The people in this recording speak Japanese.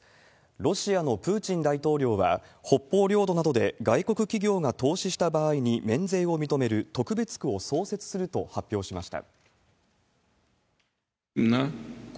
ロシアのプーチン大統領は、北方領土などで、外国企業が投資した場合に免税を認める特別区を創設すると発表しました。